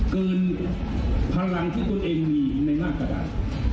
เกินพลังที่คุณเองมีในหน้ากระดาษ